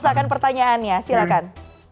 silakan pertanyaannya silakan